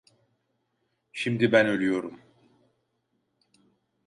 Şimdi ben ölüyorum…